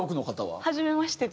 はじめまして。